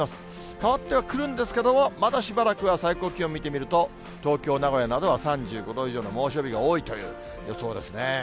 変わってはくるんですけれども、まだしばらくは最高気温見てみると、東京、名古屋などは３５度以上の猛暑日が多いという予想ですね。